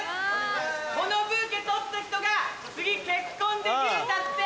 このブーケ取った人が次結婚できるんだって！